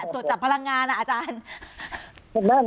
ตรวจจับพลังงานอ่ะอาจารย์